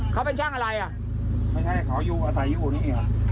เขาเป็นช่างอะไรอ่ะไม่ใช่เขาอยู่อาศัยอยู่นี่